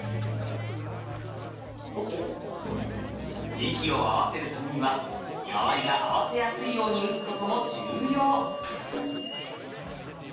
息を合わせるためには周りが合わせやすいように打つことも重要。